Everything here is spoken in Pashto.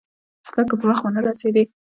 ښه که په وخت ونه رسېدې.